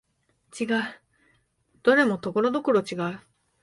違う、どれもところどころ違う